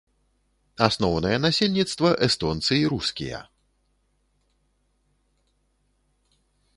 Асноўнае насельніцтва эстонцы і рускія.